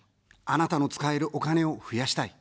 あなたの使えるお金を増やしたい。